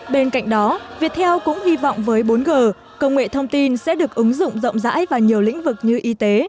bên cạnh đó viettel cũng hy vọng với bốn g công nghệ thông tin sẽ được ứng dụng rộng rãi vào nhiều lĩnh vực như y tế